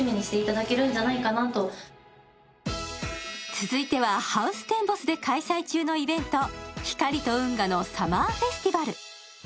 続いては、ハウステンボスで開催中のイベント、光と運河のサマーフェスティバル。